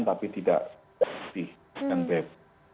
tapi tidak dianggap